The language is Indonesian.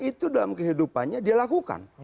itu dalam kehidupannya dia lakukan